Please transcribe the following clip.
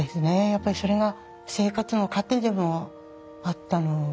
やっぱりそれが生活の糧でもあったので。